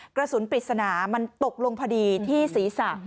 กระสุนปริศนามันตกลงพอดีที่ศีรษะ